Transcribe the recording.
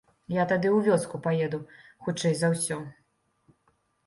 Я тады ў вёску паеду, хутчэй за ўсё.